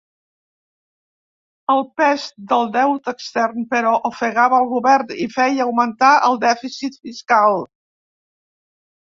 El pes del deute extern, però, ofegava el govern i feia augmentar el dèficit fiscal.